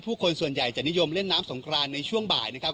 คนส่วนใหญ่จะนิยมเล่นน้ำสงครานในช่วงบ่ายนะครับ